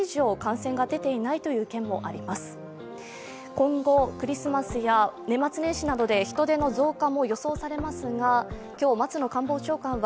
今後、クリスマスや年末年始などで人出の増加も予想されますが今日、松野官房長官は